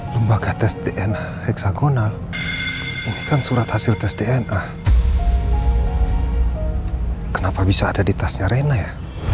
lembaga tes dna eksagonal ini kan surat hasil tes dna kenapa bisa ada di tasnya reneh